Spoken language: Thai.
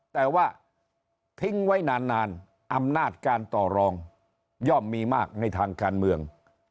แต่ว่าทิ้งไว้นานอำนาจการต่อรองย่อมมีมากในทางการเมือง